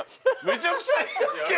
めちゃくちゃいいやんけ！